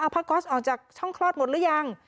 ผ้าก๊อสออกจากช่องคลอดหมดหรือยัง